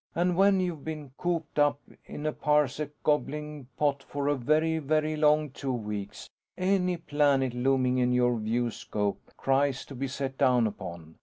And when you've been cooped up in a parsec gobbling pot for a very, very long two weeks, any planet looming in your viewscope cries to be set down upon.